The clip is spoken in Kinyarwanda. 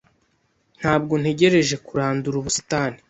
Ntabwo ntegereje kurandura ubusitani.